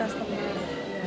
terus responnya juga unik